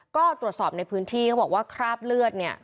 ก็ตรวจสอบในพื้นที่เขาบอกว่าคราบเลือดเนี่ย